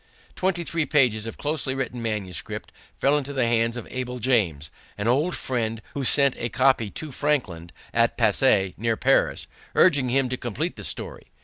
Twenty three pages of closely written manuscript fell into the hands of Abel James, an old friend, who sent a copy to Franklin at Passy, near Paris, urging him to complete the story.